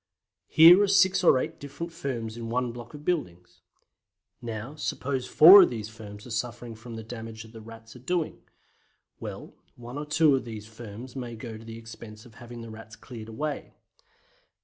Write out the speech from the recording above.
Here are six or eight different firms in one block of buildings. Now, suppose four of these firms are suffering from the damage the Rats are doing. Well, one or two of these firms may go to the expense of having the Rats cleared away.